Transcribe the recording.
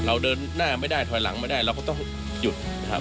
เราเดินหน้าไม่ได้ถอยหลังไม่ได้เราก็ต้องหยุดนะครับ